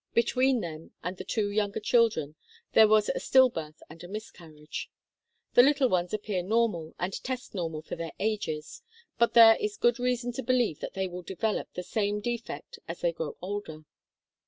Between them and the two younger children there was a stillbirth and a miscarriage. The little ones appear normal and test normal for their ages, but there is good reason to believe that they will develop the same defect as they grow older.